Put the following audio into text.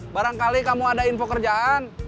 barangkali kamu ada info kerjaan